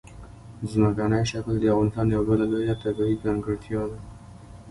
ځمکنی شکل د افغانستان یوه بله لویه طبیعي ځانګړتیا ده.